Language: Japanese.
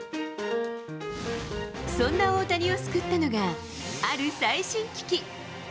そんな大谷を救ったのが、ある最新機器。